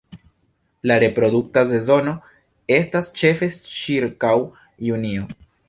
La reprodukta sezono estas ĉefe ĉirkaŭ junio.